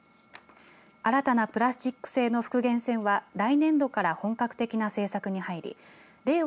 新たなプラスチック製の復元船は来年度から本格的な製作に入り令和